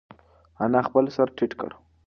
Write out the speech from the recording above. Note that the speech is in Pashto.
انا خپل سر ټیټ کړ.